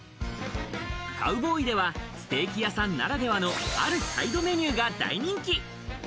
カウボーイでは、ステーキ屋さんならではのあるサイドメニューが大人気。